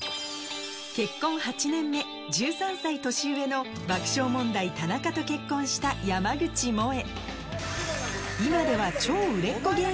結婚８年目１３歳年上の爆笑問題・田中と結婚した山口もえ